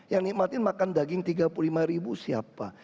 yang nikmatin makan daging tiga puluh lima ribu siapa